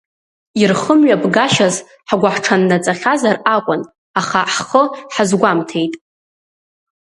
Ирхымҩаԥгашьаз ҳгәыҳҽаннаҵахьа-зар акәын, аха ҳхы ҳазгәамҭеит.